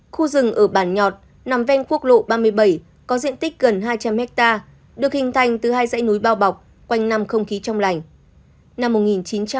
khu rừng ở bản nhọt nằm ven quốc lộ ba mươi bảy có diện tích gần hai trăm linh hectare được hình thành từ hai dãy núi bao bọc quanh năm không khí trong lành